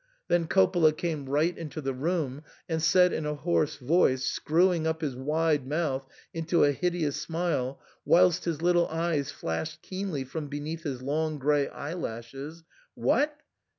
Then Coppola came right into the room, and said in a hoarse voice, screwing up his wide mouth into a hideous smile, whilst his little eyes flashed keenly from beneath his long grey eyelashes, " What